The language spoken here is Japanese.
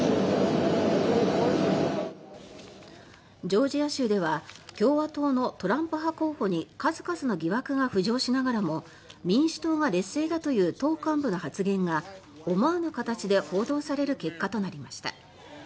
ジョージア州では共和党のトランプ派候補に数々の疑惑が浮上しながらも民主党が劣勢だという党幹部の発言が思わぬ形で報道される結果となりました。